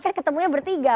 kan ketemunya bertiga